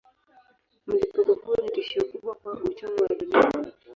Mlipuko huo ni tishio kubwa kwa uchumi wa dunia.